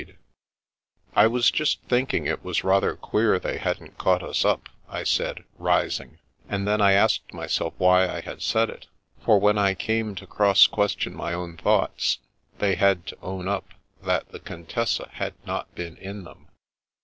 The Little Game of Flirtation 207 " I was just thinking it was rather queer they hadn't caught us up/' I said, rising; and then I asked myself why I had said it ; for, when I came to cross question my own thoughts, they had to own up that the Contessa had not been in them.